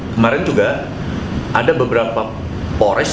kemarin juga ada beberapa pores